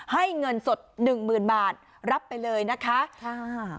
ให้เงินสดหนึ่งหมื่นบาทรับไปเลยนะคะค่ะ